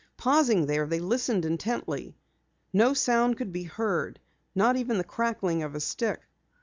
Pausing there, they listened intently. No sound could be heard, not even the crackling of a stick.